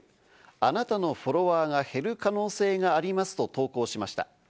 あなたのフォロワーが減る可能性がありますと投稿しました。